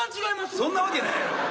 そんなわけないやろ。